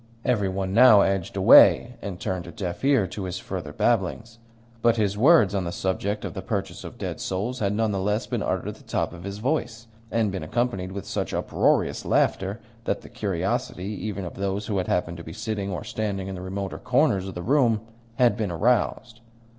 Every one now edged away, and turned a deaf ear to his further babblings; but his words on the subject of the purchase of dead souls had none the less been uttered at the top of his voice, and been accompanied with such uproarious laughter that the curiosity even of those who had happened to be sitting or standing in the remoter corners of the room had been aroused.